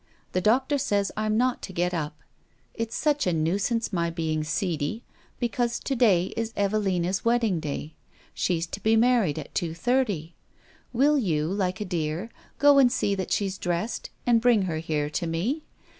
The doctor says I'm not to get up. It's such a nuisance my being seedy, because to day is Evelina's wedding day; she's to be married at 2.30. Will you, like a dear, go and see that she's dressed and bring her here to me